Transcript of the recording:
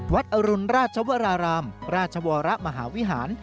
อรุณราชวรารามราชวรมหาวิหาร